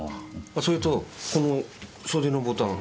それとこの袖のボタン